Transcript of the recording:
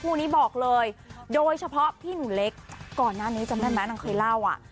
คู่นี้บอกเลยโดยเฉพาะพี่หนูเล็กก่อนหน้านี้จำได้ไหมนางเคยเล่าอ่ะ